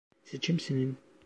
Seçim senin.